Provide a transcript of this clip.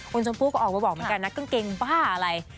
คุณชมพู่ก็ออกมาบอกเหมือนกันนะกางเกงบ้าอะไร